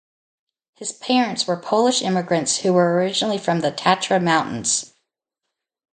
His parents were Polish immigrants who were originally from the Tatra Mountains.